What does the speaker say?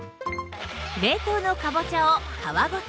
冷凍のかぼちゃを皮ごと！